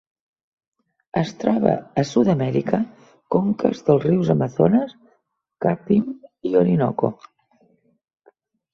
Es troba a Sud-amèrica: conques dels rius Amazones, Capim i Orinoco.